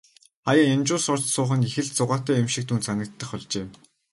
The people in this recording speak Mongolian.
Хааяа янжуур сорж суух нь их л зугаатай юм шиг түүнд санагдах болжээ.